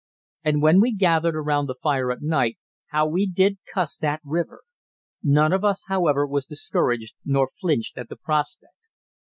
And when we gathered around the fire at night, how we did "cuss" that river! None of us, however, was discouraged, nor flinched at the prospect.